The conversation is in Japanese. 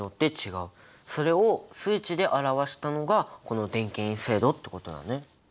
それを数値で表したのがこの電気陰性度ってことだね。